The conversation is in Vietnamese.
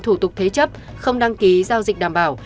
thủ tục thế chấp không đăng ký giao dịch đảm bảo